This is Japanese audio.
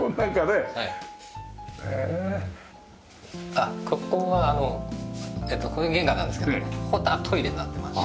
あっここはこれが玄関なんですけどここトイレになってまして。